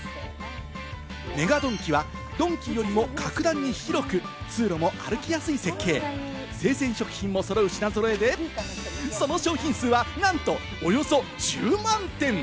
ＭＥＧＡドンキはドンキよりも格段に広く、通路も歩きやすい設計、生鮮食品もそろう品揃えで、その商品数は、なんとおよそ１０万点！